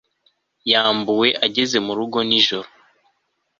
Yambuwe ageze mu rugo nijoro